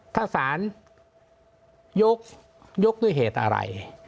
ถ้าศาลยกด้วยเหตุอะไร